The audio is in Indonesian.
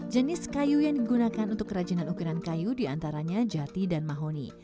jenis kayu yang digunakan untuk kerajinan ukiran kayu diantaranya jati dan mahoni